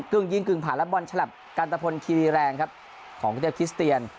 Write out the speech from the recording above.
กึ่งยิงกึ่งผ่านและบอลฉลับกันตะพลคีรีแรงครับของกรุงเทพคิสเตียน